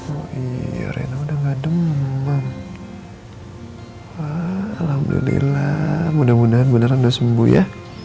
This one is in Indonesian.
oh iya rena udah nggak demam alhamdulillah mudah mudahan beneran udah sembuh ya